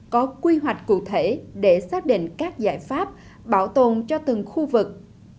có quy hoạch cụ thể để xác định các giải pháp bảo tồn cho từng khu vực